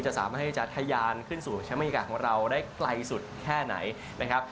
จะสามารถทยานขึ้นสู่ธรรมยากาศของเราได้ไกลสุดแค่ไหนนะครับ